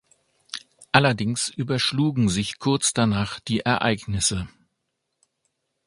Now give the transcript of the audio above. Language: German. Allerdings überschlugen sich kurz danach die Ereignisse.